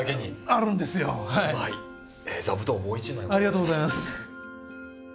ありがとうございます。